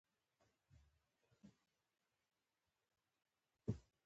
د بامیان ځمکې کچالو لري